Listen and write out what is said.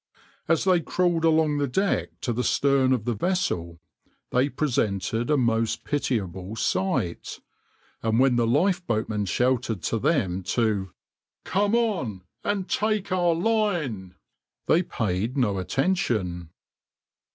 As they crawled along the deck to the stern of the vessel they presented a most pitiable sight, and when the lifeboatmen shouted to them to "come on and take our line," they paid no attention.